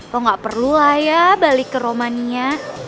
lo gak perlu lah ya balik ke romaninya